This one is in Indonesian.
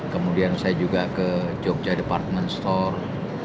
kemudian saya juga ke jogja department store